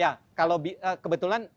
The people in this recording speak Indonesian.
ya kalau kebetulan